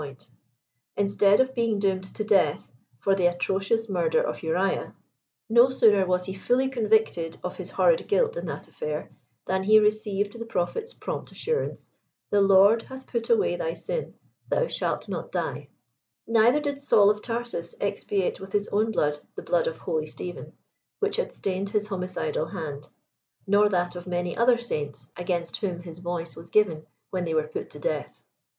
Will the Heavenly Parent judge more harehly than did this antediluvian patriarch V 137 sooner was he fully convicted of his horrid guilt in that afiair, than he received the prophet's prompt assurance, the Lord hath put away thy sin ; thou shah not die." Neither did Saul of Tarsus expiate with his own blood, the blood of holy Stephen, which had stained his homicidal hand, nor that of many other saints against whom his voice was gi^en when they were put to death.